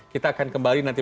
kita akan kembali nanti